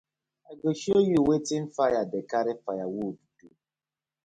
I go show yu wetin fire dey karry firewood do.